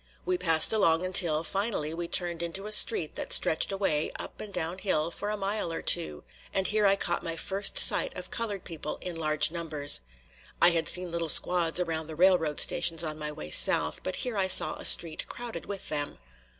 We passed along until, finally, we turned into a street that stretched away, up and down hill, for a mile or two; and here I caught my first sight of colored people in large numbers. I had seen little squads around the railroad stations on my way south, but here I saw a street crowded with them.